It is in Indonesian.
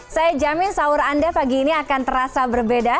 saya jamin sahur anda pagi ini akan terasa berbeda